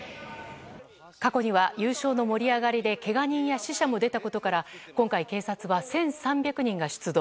過去には優勝の盛り上がりでけが人や死者も出たことから今回、警察は１３００人が出動。